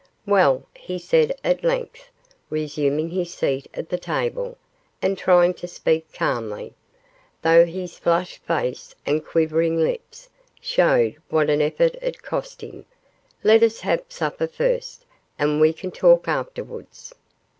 'Well,' he said at length, resuming his seat at the table, and trying to speak calmly, though his flushed face and quivering lips showed what an effort it cost him; 'let us have supper first, and we can talk afterwards.